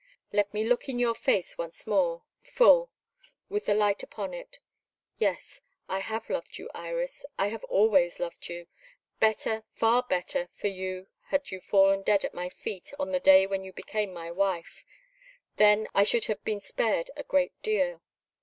"Let me look in your face once more so full with the light upon it. Yes; I have loved you, Iris I have always loved you. Better, far better, for you had you fallen dead at my feet on the day when you became my wife. Then I should have been spared I should have been spared a great deal.